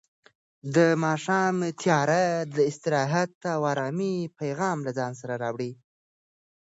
د ماښام تیاره د استراحت او ارامۍ پیغام له ځان سره راوړي.